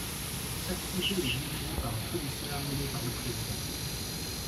Chaque comté est dirigé par un commissaire, nommé par le président.